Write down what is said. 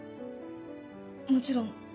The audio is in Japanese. もちろん。